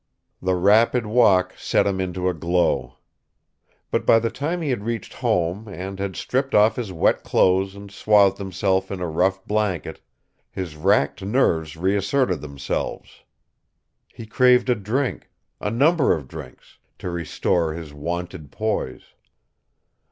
The rapid walk set him into a glow. But by the time he had reached home and had stripped off his wet clothes and swathed himself in a rough blanket, his racked nerves reasserted themselves. He craved a drink a number of drinks to restore his wonted poise.